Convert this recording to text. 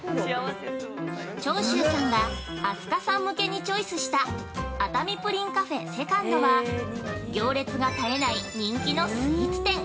◆長州さんが飛鳥さん向けにチョイスした熱海プリンカフェ２ｎｄは行列が絶えない人気のスイーツ店。